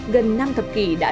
gần năm thập kỷ đã